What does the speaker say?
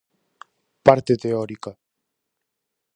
Parte teórica.